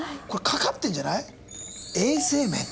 これかかってるんじゃない？